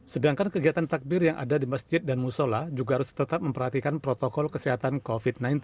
sedangkan kegiatan takbir yang ada di masjid dan musola juga harus tetap memperhatikan protokol kesehatan covid sembilan belas